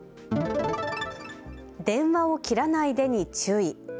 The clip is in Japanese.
電話を切らないでに注意。